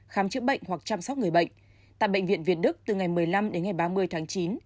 khám chữa bệnh hoặc chăm sóc người bệnh tại bệnh viện việt đức từ ngày một mươi năm đến ngày ba mươi tháng chín